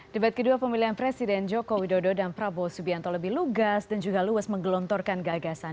debat kedua pemilihan presiden joko widodo dan prabowo subianto lebih lugas dan juga luas menggelontorkan gagasan